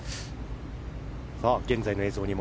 現在の映像です。